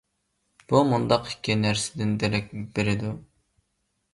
بۇ مۇنداق ئىككى نەرسىدىن دېرەك بېرىدۇ.